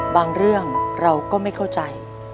บางเรื่องเราก็ไม่เข้าใจ